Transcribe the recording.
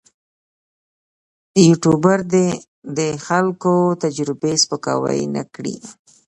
یوټوبر دې د خلکو تجربې سپکاوی نه کړي.